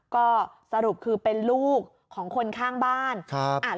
ก็สรุปคือเป็นลูกของคนข้างบ้านครับ